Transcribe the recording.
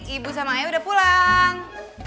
ibu sama ayah udah pulang